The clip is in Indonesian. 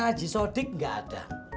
barunya haji sodik gak ada